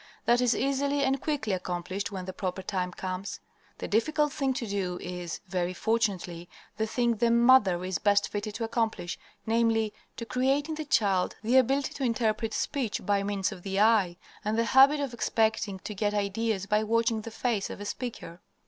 That is easily and quickly accomplished when the proper time comes. The difficult thing to do is, very fortunately, the thing the mother is best fitted to accomplish, namely, to create in the child the ability to interpret speech by means of the eye, and the habit of expecting to get ideas by watching the face of a speaker.